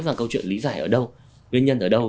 và câu chuyện lý giải ở đâu nguyên nhân ở đâu